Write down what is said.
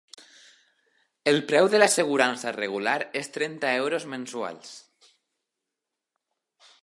El preu de l'assegurança regular és trenta euros mensuals.